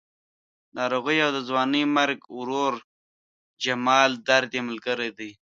ناروغي او د ځوانې مرګ ورور جمال درد یې ملګري دي.